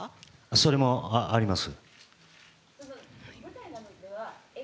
それもあります。